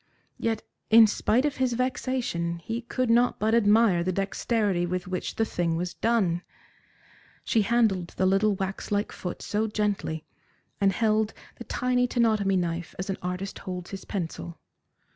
Yet, in spite of his vexation, he could not but admire the dexterity with which the thing was done. She handled the little wax like foot so gently, and held the tiny tenotomy knife as an artist holds his pencil.